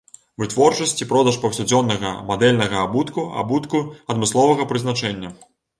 Вытворчасць і продаж паўсядзённага, мадэльнага абутку, абутку адмысловага прызначэння.